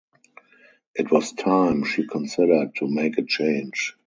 It was time, she considered, to make a change.